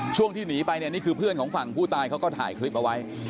ที่หนีไปเนี่ยนี่คือเพื่อนของฝั่งผู้ตายเขาก็ถ่ายคลิปเอาไว้